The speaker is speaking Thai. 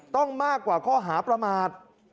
ต้องมากกว่าข้อหาประมาท